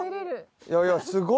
いやいやすごい。